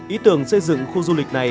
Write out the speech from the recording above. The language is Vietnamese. ý tưởng xây dựng khu du lịch này